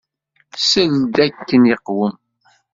Sel-d akken iqwem.